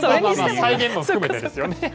再現も含めてですよね。